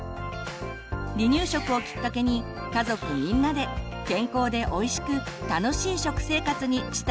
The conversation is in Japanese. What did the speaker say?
離乳食をきっかけに家族みんなで健康でおいしく楽しい食生活にしたいですね。